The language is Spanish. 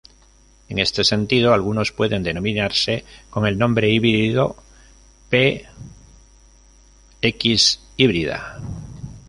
En ese sentido, algunos pueden denominarse con el nombre híbrido "P. ×hybrida".